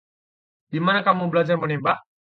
Di mana kamu belajar menembak?